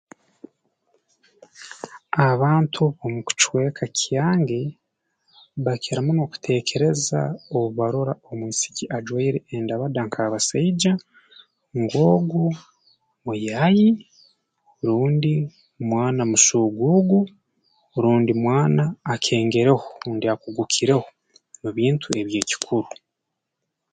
Abantu omu kicweka kyange bakira muno kuteekereza obu barora omwisiki ajwaire endabada nk'abasaija ngu ogu muyaayi rundi mwana musuuguugu rundi mwana akengereho rundi akugukireho mu bintu eby'ekikuru